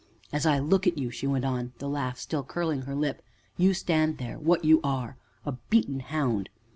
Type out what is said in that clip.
"As I look at you," she went on, the laugh still curling her lip, "you stand there what you are a beaten hound.